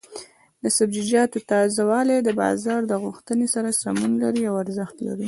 د سبزیجاتو تازه والي د بازار د غوښتنې سره سمون لري او ارزښت لري.